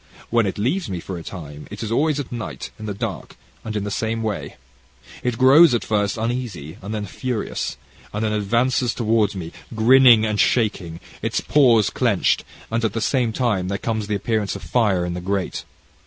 "When it leaves me for a time, it is always at night, in the dark, and in the same way. It grows at first uneasy, and then furious, and then advances towards me, grinning and shaking, its paws clenched, and, at the same time, there comes the appearance of fire in the grate.